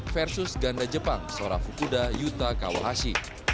versus ganda jepang sorafu puda yuta kawahashi